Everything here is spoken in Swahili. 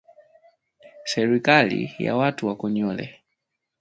Serikali ya watu wa Konyole